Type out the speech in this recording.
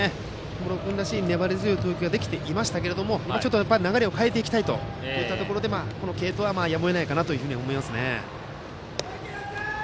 茂呂君らしい粘り強い投球ができていましたが流れを変えていきたいといったところでこの継投はやむを得ないかなと思います。